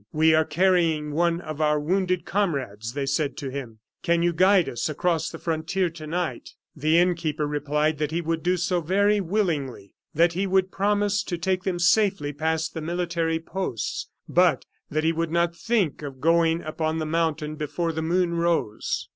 "We are carrying one of our wounded comrades," they said to him. "Can you guide us across the frontier to night?" The innkeeper replied that he would do so very willingly, that he would promise to take them safely past the military posts; but that he would not think of going upon the mountain before the moon rose.